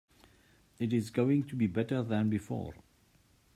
It is going to be better than before.